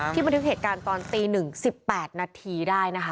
ที่มันเทียบเหตุการณ์ตอนตี๑๑๘นาทีได้นะคะ